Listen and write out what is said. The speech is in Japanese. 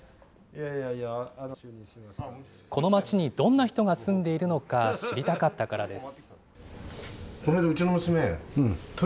この街にどんな人が住んでいるのか、知りたかったからです。